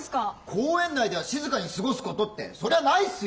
「公園内では静かに過ごすこと」ってそりゃないっすよ！